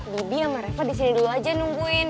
bi bi sama reva disini dulu aja nungguin